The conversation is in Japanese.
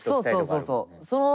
そうそうそうそう。